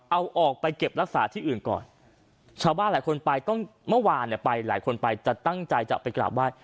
เอาออกไปเก็บรักษาที่อื่นก่อนชาวบ้านหลายคนไปตั้งใจจะไปกราบว่าย